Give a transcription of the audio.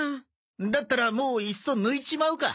だったらもういっそ抜いちまうか。